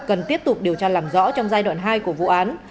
cần tiếp tục điều tra làm rõ trong giai đoạn hai của vụ án